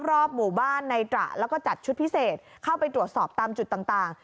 รอบหมู่บ้านในตระแล้วก็จัดชุดพิเศษเข้าไปตรวจสอบตามจุดต่าง